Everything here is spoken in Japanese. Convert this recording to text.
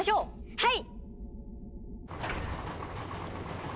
はい！